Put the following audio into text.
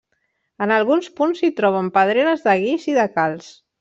En alguns punts s'hi troben pedreres de guix i de calç.